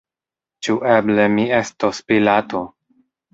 Ĉu eble mi estos Pilato?